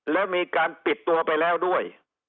แล้วมีการปิดตัวไปแล้วด้วย